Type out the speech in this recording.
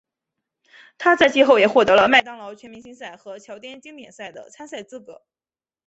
他在季后也获得了麦当劳全明星赛和乔丹经典赛的参赛资格。